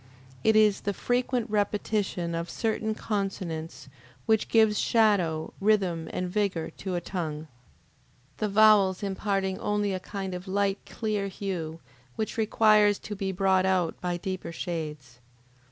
It is the frequent repetition of certain consonants which gives shadow, rhythm, and vigor to a tongue; the vowels imparting only a kind of light clear hue, which requires to be brought out by deeper shades.